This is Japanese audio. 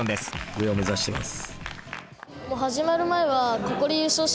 上を目指してます。